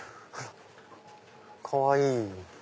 かわいい！